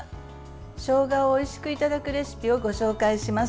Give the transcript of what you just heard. しょうがを、おいしくいただくレシピをご紹介します。